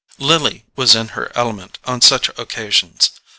Lily was in her element on such occasions.